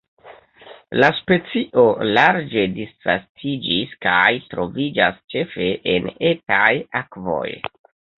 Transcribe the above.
La specio larĝe disvastiĝis kaj troviĝas ĉefe en etaj akvoj.